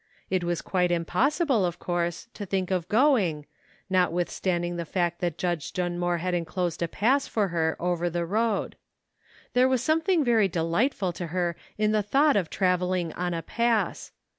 It was quite impossible of course to think of going, notwithstanding the fact that Judge Dunmore had inclosed a pass for her over the road. There was something very delightful to her in the thought of traveling on a "pass."